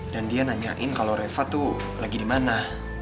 dan dia nanyain kalau reva tuh lagi dimana